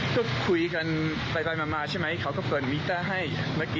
ขอบเอาทำไมเปิดมิเตอร์ไม่ได้